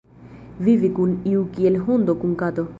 Vivi kun iu kiel hundo kun kato.